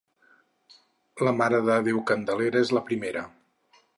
La Mare de Déu Candelera és la primera.